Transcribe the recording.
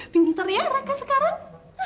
pinter ya raka sekarang